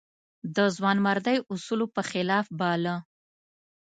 د ځوانمردۍ اصولو په خلاف باله.